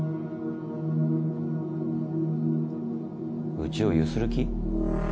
うちをゆする気？